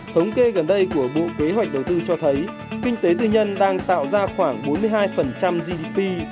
thống kê gần đây của bộ kế hoạch đầu tư cho thấy kinh tế tư nhân đang tạo ra khoảng bốn mươi hai gdp